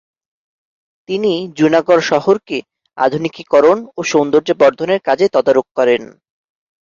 তিনি জুনাগড় শহরকে আধুনিকীকরণ ও সৌন্দর্য্যবর্ধনের কাজে তদারক করেন।